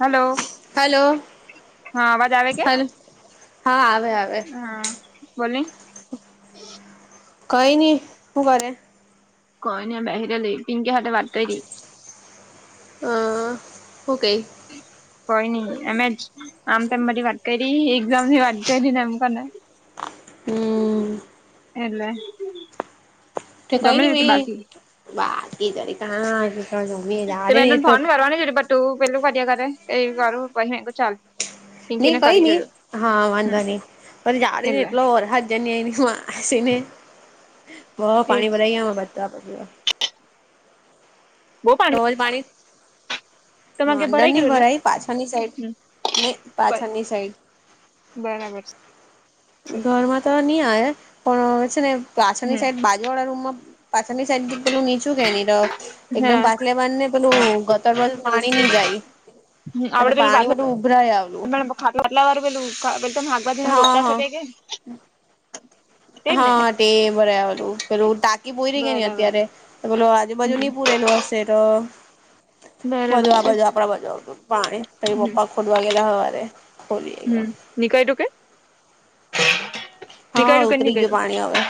Hello hello હા અવાજ આવે કે. હલો હા આવે આવે હા બોલો, કઈ નહિ શું કરે. કોઈ બહાર પિંકી સાથે વાત કરી. હ શું કહે. કઈ નહિ એમ, આમ તો વાત કરી એક્ઝામની વાત કરી ને એમ કરી, હમ. એને, કઈ પછી વાત કરી. જમી જાડે મે ને તો એટ ફોન કરવા જે પર તું પેલું કહે ચાલો, કઈ નહિ હા વાંધો નહી પછી પડે એટલે એટલો, જ હું હસીને બહ એજ પાણી ભરાઈ બધે બંધ. [unintelligible] પાણી, તમારે ઘેર ભરાઈ માંડણની ગયેલું ભરાય પાછળની એટલે સાઈડ નહી. બરાબર. છે ઘરમાં તો નહી આવે પણ છે ને પાછળના હમ સાઈડ, રૂમમાં પાછળની સાઈડ થી પેલું નીચું છે એકદમ હા પાછળ બંધને પેલું, તો પાણી નહી જાય એ આપડે પેલું પાણી બધું ઉભરાય આવ્યું. ખાટલા વાળું પેલું શાકભાજીને હા રોપતા હા કે, તેજ ને હા તે ભરાય ટાંકી પુરવા રહી ગઈ બરાબર અત્યારે, આજુબાજુ હમ નહીં પુરેલું હશે, તો બરાબર બધું આ છે આપણા બાજુ પાણી કઈ પપ્પા, ખોદવા ગયા હતા. હા નહી કાઢી કે, હા નીકળ્યું કે ઉતરી ગયુ નીકળ્યું પાણી હવે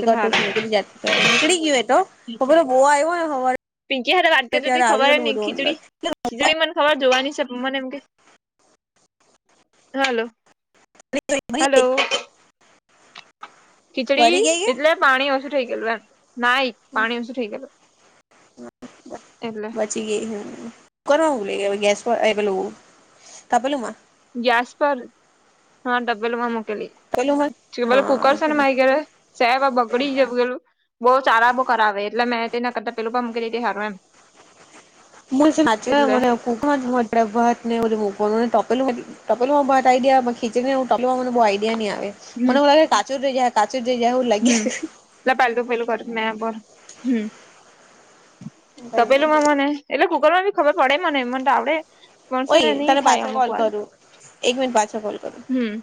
ચાલ હારું ગયુ, જોવા આવે, પીંકી સાથે વાથ કરી ખબર નહી અંદર ખીચડી, એટલે ખબર જોવાની છે મમ્મીને એમ કે, હલો [unintelligible] ખીચડી ભરી ગઈ કે એટલે પાણી ઓછું થઈ ગયેલું એમ નહીં પાણી ઓછું થઈ ગયેલું. એટલે, બચી ગઈ કુકરમાં ગેસ પર પેલુંમાં. ગેસ પર હા તપેલીમાં મુકેલી. તપેલુંમાં કછે ભલે કુકર હા છે ને માય ઘેરે સેવા બગડી જેવું ગેલું બહુ સારા બહુ કરાવે એટલે મેં તે કરતા પેલું પણ મૂકી દીઘી હારું એમ મુચ નાચને એટલે મને ખૂક જભત ને બધું મૂકવાનું ને તપેલું ટપલોમાં ભાત આઈયા ખીચણીને ટપલા મને બોવ આઈડયા નહી આવે. મને હમ એવુ લાગે કચો રય જાહે કાચુંજ રહી જાહે એવું લાગીયા લ પાહેલ તો પેલું કરત ન પર હમ્મ તો પેલું મને એટલે કુકર માં ભી ખબર પડે મને એ મને તો આવડે પણ સેને ઓય તને નહી થાય પાછો અમુક કોલ વાર કરું એક મિનિટ પાછો કોલ કરું હમ્મ